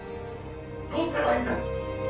どうすればいいんだ！